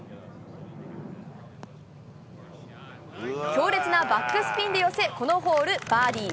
強烈なバックスピンで寄せ、このホールバーディー。